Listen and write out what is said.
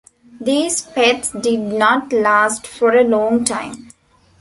These pets did not last for a long time.